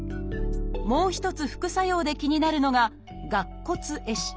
もう一つ副作用で気になるのが「顎骨壊死」。